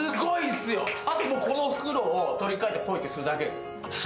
あとこの袋を取り替えて、ポイするだけです。